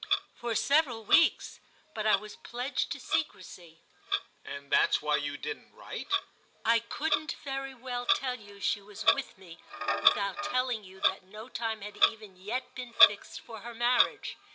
"For several weeks, but I was pledged to secrecy." "And that's why you didn't write?" "I couldn't very well tell you she was with me without telling you that no time had even yet been fixed for her marriage.